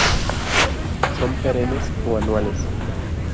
Son perennes o anuales.